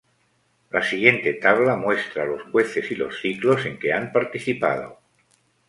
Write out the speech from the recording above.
La siguiente tabla muestra los jueces y los ciclos en que han participado